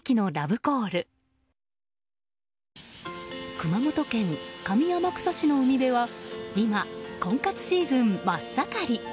熊本県上天草市の海辺は今婚活シーズン真っ盛り。